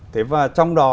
thế và trong đó